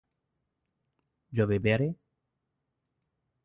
¿yo beberé?